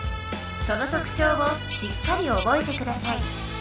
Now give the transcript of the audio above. そのとくちょうをしっかり覚えてください。